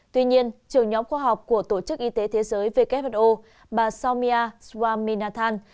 tuy nhiên trường nhóm khoa học của tổ chức y tế thế giới who bà somia swaminathan